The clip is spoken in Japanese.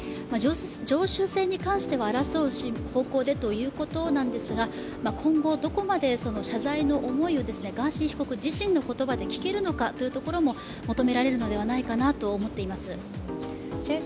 常習性については争う方向でということなんですが今後どこまで謝罪の思いを、ガーシー被告自身の言葉で聞けるのかというところも求められるのではないかなと思っています。